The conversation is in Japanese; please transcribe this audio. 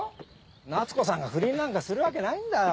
夏子さんが不倫なんかするわけないんだよ！